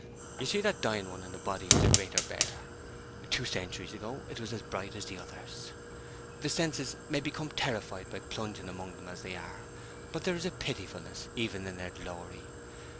You see that dying one in the body of the Greater Bear? Two centuries ago it was as bright as the others. The senses may become terrified by plunging among them as they are, but there is a pitifulness even in their glory.